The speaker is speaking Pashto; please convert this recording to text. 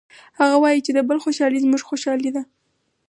هغه وایي چې د بل خوشحالي زموږ خوشحالي ده